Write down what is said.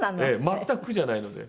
全く苦じゃないので。